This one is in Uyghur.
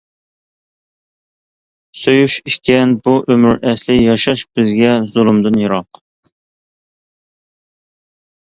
سۆيۈش ئىكەن بۇ ئۆمۈر ئەسلى، ياشاش بىزگە زۇلۇمدىن يىراق.